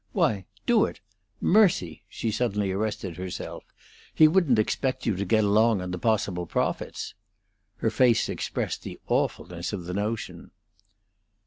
Why, do it! Mercy!" she suddenly arrested herself, "he wouldn't expect you to get along on the possible profits?" Her face expressed the awfulness of the notion.